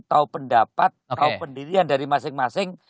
tahu pendapat atau pendirian dari masing masing